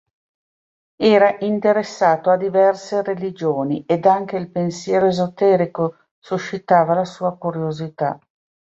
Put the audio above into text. Era interessato a diverse religioni, ed anche il pensiero esoterico suscitava la sua curiosità.